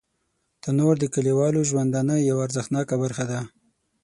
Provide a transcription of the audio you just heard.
تنور د کلیوالو ژوندانه یوه ارزښتناکه برخه ده